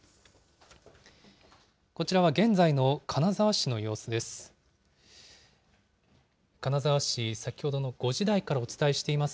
こちらは現在の金沢市の様子です。